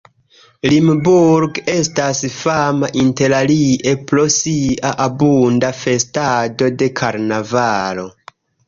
Limburg estas fama interalie pro sia abunda festado de karnavalo.